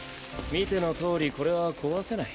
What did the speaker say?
見てのとおりこれは壊せない。